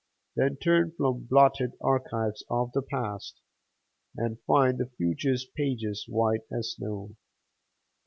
Then turn from blotted archives of the past, And find the future's pages white as snow.